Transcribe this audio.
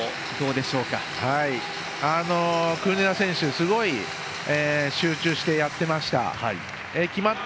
すごい集中してやっていました